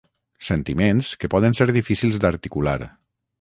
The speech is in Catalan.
sentiments que poden ser difícils d'articular